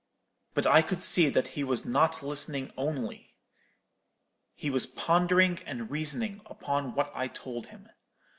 But I could see that he was not listening only: he was pondering and reasoning upon what I told him.